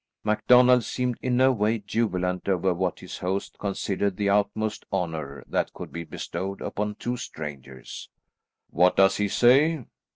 MacDonald seemed in no way jubilant over what his host considered the utmost honour that could be bestowed upon two strangers. "What does he say?"